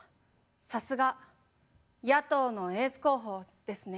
さすが野党のエース候補ですね。